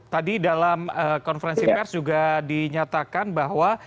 tadi dalam konferensi pers juga dinyatakan bahwa